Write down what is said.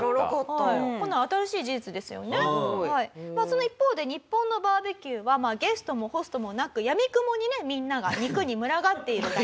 その一方で日本のバーベキューはゲストもホストもなくやみくもにねみんなが肉に群がっているだけ。